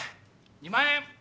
２万円！